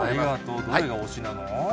どれが推しなの？